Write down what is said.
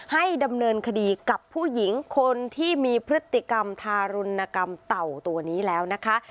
ให้ดำเนินคดีกับผู้หญิงคนที่มีพฤติกรรมทารุณกรรมเต่าตัวนี้แล้วนะคะ